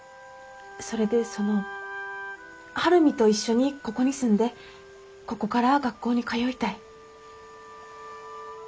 それでその晴海と一緒にここに住んでここから学校に通いたい。